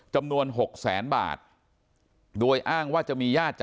จำนวนหกแสนบาท